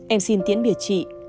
em xin tiễn biệt chị